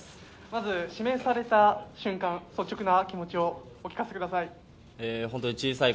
まず指名された瞬間、率直な気持ちをお聞かせください。